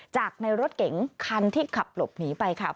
จากในรถเก๋งคันที่ขับหลบหนีไปค่ะ